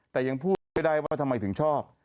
แต่ยังพูดไม่ได้ว่าทำไมถึงชอบ